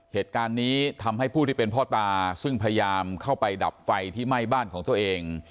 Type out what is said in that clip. เหตุการณ์นี้ทำให้ผู้ที่เป็นพ่อตาซึ่งพยายามเข้าไปดับไฟที่ไหม้บ้านของตัวเอง